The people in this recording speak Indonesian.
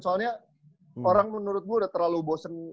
soalnya orang menurut gue udah terlalu bosen